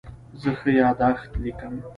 زه ښه یادښت لیکم.